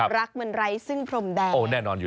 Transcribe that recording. รักมันไร้ซึ้งพรมแดง